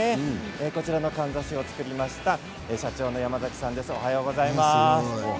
こちらのかんざしを作りました社長の山崎さんです。